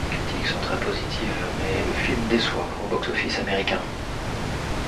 Les critiques sont très positives, mais le film déçoit au box-office américain.